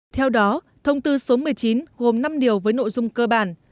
theo đó thông tư số một mươi chín gồm năm điều với nội dung cơ bản